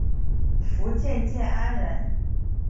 福建建安人。